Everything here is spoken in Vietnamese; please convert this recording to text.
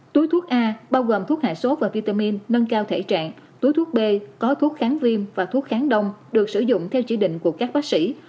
túi thuốc a bao gồm thuốc hạ sốt và vitamin nâng cao thể trạng túi thuốc b có thuốc kháng viêm và thuốc kháng đông được sử dụng theo chỉ định của các bác sĩ